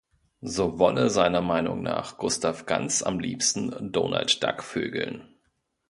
So wolle seiner Meinung nach Gustav Gans am liebsten Donald Duck „vögeln“.